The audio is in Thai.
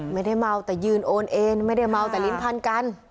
ไม่ได้เมาแต่ยืนโอนเองไม่ได้เมาแต่ลิ้นพันกัน